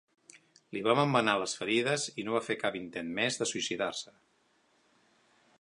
Li van embenar les ferides i no va fer cap intent més de suïcidar-se.